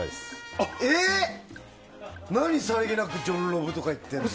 何さりげなくジョンロブとか言ってるの。